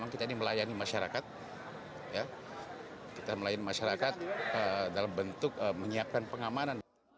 kita melayani masyarakat dalam bentuk menyiapkan pengamanan